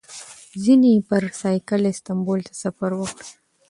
ځینې یې پر بایسکل استانبول ته سفر وکړ.